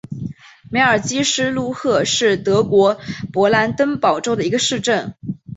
梅尔基施卢赫是德国勃兰登堡州的一个市镇。